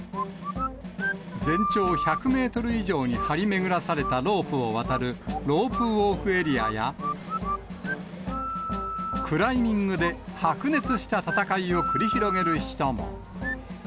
全長１００メートル以上に張り巡らされたロープを渡るロープウォークエリアや、クライミングで白熱した戦いを繰り広げる人も。